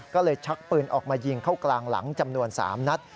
ก็เลยชักปืนออกมายิงเข้ากลางหลังจำนวน๓นัด